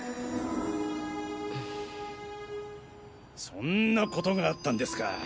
そんなことがあったんですか。